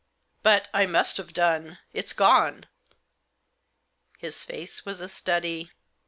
63 " But — I must have done. It's gone." His face was a study.